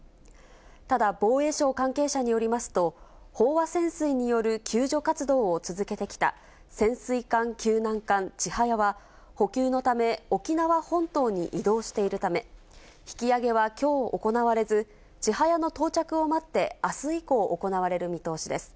ただ、防衛省関係者によりますと、飽和潜水による救助活動を続けてきた潜水艦救難艦ちはやは、補給のため、沖縄本島に移動しているため、引き揚げはきょう行われず、ちはやの到着を待って、あす以降、行われる見通しです。